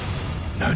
何！？